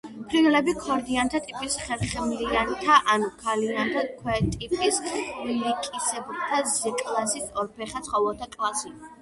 ფრინველები ქორდიანთა ტიპის, ხერხემლიანთა ანუ ქალიანთა ქვეტიპის, ხვლიკისებრთა ზეკლასის ორფეხა ცხოველთა კლასი.